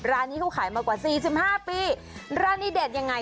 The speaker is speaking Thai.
ร้านนี้เขาขายมากว่าสี่สิบห้าปีร้านนี้เด็ดยังไง